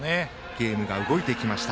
ゲームが動いてきました。